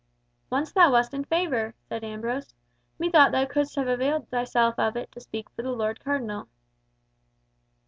"Once thou wast in favour," said Ambrose. "Methought thou couldst have availed thyself of it to speak for the Lord Cardinal."